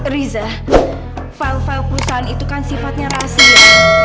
riza file file perusahaan itu kan sifatnya rahasia